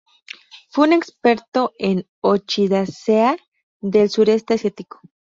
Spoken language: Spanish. Fue un experto en Orchidaceae del sudeste asiático.